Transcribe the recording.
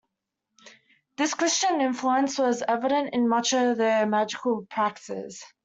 This Christian influence was evident in much of their magical praxes.